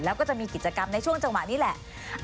แล้วก็จะมีกิจกรรมในช่วงจังหวะนี้แหละ